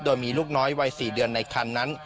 โดยมีลูกน้อยวัย๔เดือนในคันนั้น